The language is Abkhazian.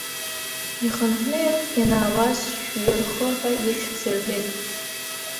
Ихынҳәны ианаауаз шәҩырхы ҳәа ихьӡ рҳәеит.